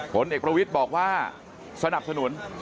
ผลเอกประวิทย์บอกว่าสนับสนุน